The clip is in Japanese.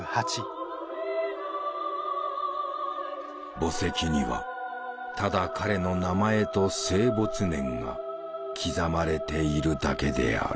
墓石にはただ彼の名前と生没年が刻まれているだけである。